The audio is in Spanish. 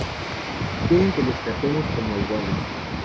si quieren que les tratemos como a iguales